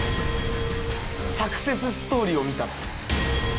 サクセスストーリーを見た。